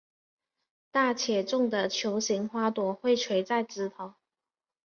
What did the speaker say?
大且重的球形花朵会垂在枝头。